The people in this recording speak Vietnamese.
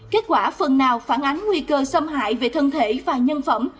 kết quả phần nào phản ánh nguy cơ xâm hại về thân thể và nhân phẩm